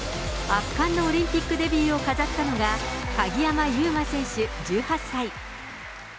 圧巻のオリンピックデビューを飾ったのが鍵山優真選手１８歳。